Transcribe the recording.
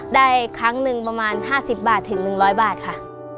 ครั้งหนึ่งประมาณ๕๐บาทถึง๑๐๐บาทค่ะ